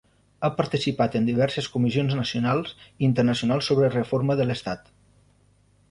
Ha participat en diverses comissions nacionals i internacionals sobre reforma de l'Estat.